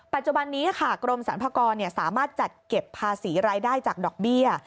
ปัจจุบันนี้ค่ะกรมสรรพากรสามารถจัดเก็บภาษีรายได้จากดอกเบี้ย